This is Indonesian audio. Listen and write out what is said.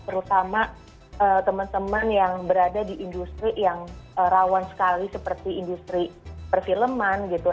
terutama teman teman yang berada di industri yang rawan sekali seperti industri perfilman gitu